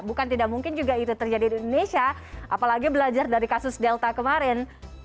bukan tidak mungkin juga itu terjadi di indonesia apalagi belajar dari kasus delta kemarin